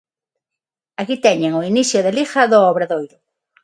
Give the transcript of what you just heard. Aquí teñen o inicio de Liga do Obradoiro.